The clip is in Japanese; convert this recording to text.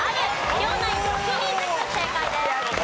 両ナイン６人ずつ正解です。